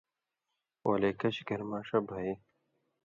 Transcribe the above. ولے کچھ گھریۡماݜہ بھئ